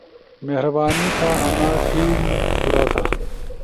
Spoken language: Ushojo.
مہربانی تھا انا فیلڈ پورا تھا۔